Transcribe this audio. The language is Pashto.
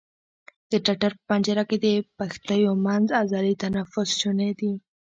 د ټټر په پنجره کې د پښتیو منځ عضلې تنفس شونی کوي.